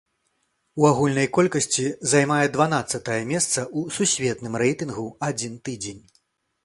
У агульнай колькасці займае дванаццатае месца ў сусветным рэйтынгу адзін тыдзень.